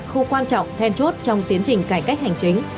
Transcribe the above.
khâu quan trọng then chốt trong tiến trình cải cách hành chính